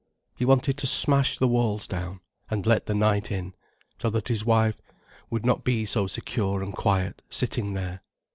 He wanted to smash the walls down, and let the night in, so that his wife should not be so secure and quiet, sitting there.